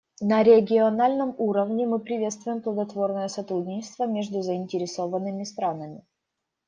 На региональном уровне мы приветствуем плодотворное сотрудничество между заинтересованными странами.